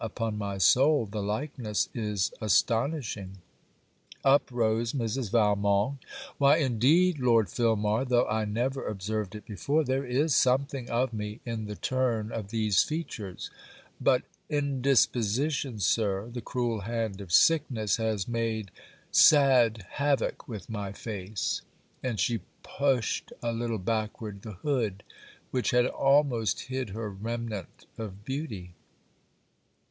Upon my soul the likeness is astonishing.' Up rose Mrs. Valmont. 'Why indeed, Lord Filmar, though I never observed it before, there is something of me in the turn of these features; but indisposition, Sir, the cruel hand of sickness, has made sad havock with my face.' And she pushed a little backward the hood which had almost hid her remnant of beauty.